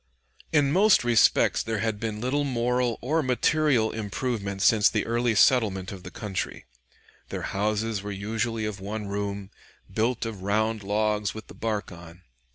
In most respects there had been little moral or material improvement since the early settlement of the country. Their houses were usually of one room, built of round logs with the bark on.